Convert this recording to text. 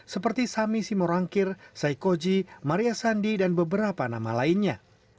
seperti sami simorangkir saikoji maria sandi dan beberapa nama lainnya